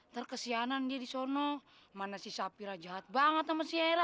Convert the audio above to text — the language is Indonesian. ntar kesianan dia di sana mana si sapira jahat banget sama si hera